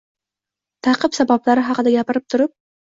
• Ta’qib sabablari haqida gapira turib